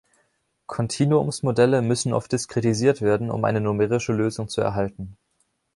Kontinuumsmodelle müssen oft diskretisiert werden, um eine numerische Lösung zu erhalten.